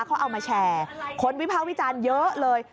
เขาเอามาแชร์คนวิภาควิจารณ์เยอะเลย